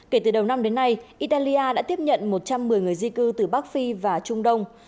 kể từ đầu năm đến nay italia đã tiếp nhận một trăm một mươi người di cư từ bắc phi và trung đông